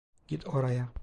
Git oraya.